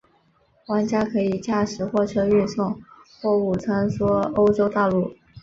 玩家可以驾驶货车运送货物穿梭欧洲大陆。